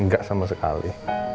gak sama sekali